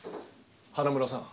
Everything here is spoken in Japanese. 花村さん